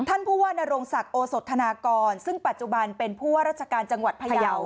ท่านผู้ว่านโรงศักดิ์โอสธนากรซึ่งปัจจุบันเป็นผู้ว่าราชการจังหวัดพยาว